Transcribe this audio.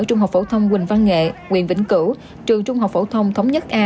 trung học phổ thông quỳnh văn nghệ quyền vĩnh cửu trường trung học phổ thông thống nhất a